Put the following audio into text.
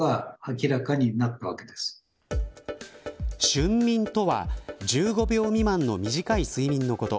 瞬眠とは１５秒未満の短い睡眠のこと。